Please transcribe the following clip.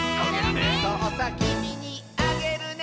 「そうさきみにあげるね」